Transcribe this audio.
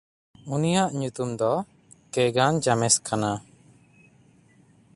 ᱩᱱᱤᱭᱟᱜ ᱧᱩᱛᱩᱢ ᱫᱚ ᱠᱮᱜᱟᱱᱼᱡᱟᱢᱮᱥ ᱠᱟᱱᱟ᱾